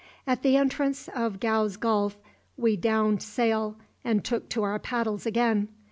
At the entrance of Gow's Gulf we downed sail and took to our paddles again.